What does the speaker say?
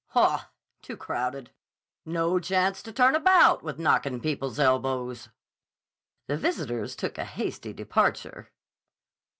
"Haw! Too crowded. No chance to turn about without knockin' people's elbows." The visitors took a hasty departure.